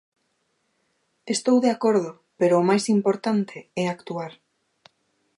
Estou de acordo, pero o máis importante é actuar.